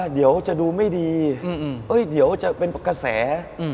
เดี๋ยวจะดูไม่ดีเดี๋ยวจะเป็นกระแส